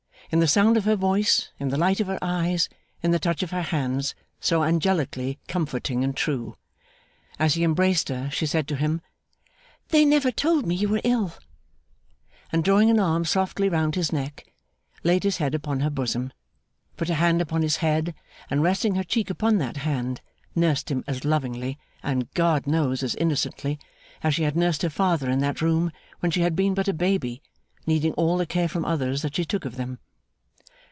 In the sound of her voice, in the light of her eyes, in the touch of her hands, so Angelically comforting and true! As he embraced her, she said to him, 'They never told me you were ill,' and drawing an arm softly round his neck, laid his head upon her bosom, put a hand upon his head, and resting her cheek upon that hand, nursed him as lovingly, and GOD knows as innocently, as she had nursed her father in that room when she had been but a baby, needing all the care from others that she took of them.